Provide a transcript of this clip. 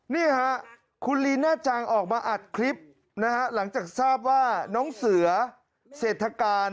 นี่ค่ะคุณลีน่าจังออกมาอัดคลิปนะฮะหลังจากทราบว่าน้องเสือเศรษฐการ